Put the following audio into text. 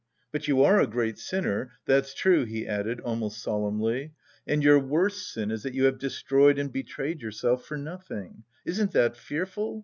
But you are a great sinner, that's true," he added almost solemnly, "and your worst sin is that you have destroyed and betrayed yourself for nothing. Isn't that fearful?